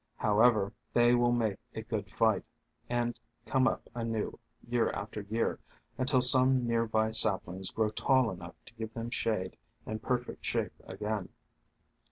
However, they will make a good fight, and come up anew year after year, until some near by saplings grow tall enough to give them shade and perfect shape again.